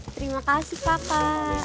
terima kasih papa